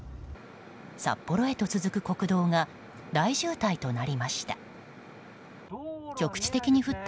札幌へと続く国道が大渋滞となりました。